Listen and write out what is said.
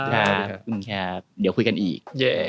คุณแคดเดี๋ยวคุยกันอีก